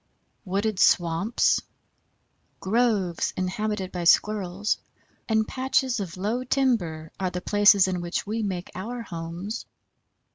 Wooded swamps, groves inhabited by Squirrels, and patches of low timber are the places in which we make our homes.